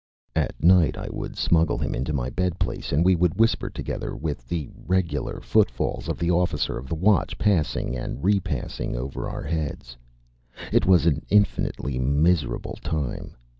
At night I would smuggle him into my bed place, and we would whisper together, with the regular footfalls of the officer of the watch passing and repassing over our heads. It was an infinitely miserable time.